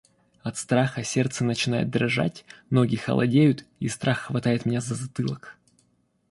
От страха сердце начинает дрожать, ноги холодеют и страх хватает меня за затылок.